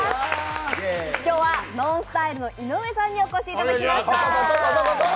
ＮＯＮＳＴＹＬＥの井上さんにお越しいただきました。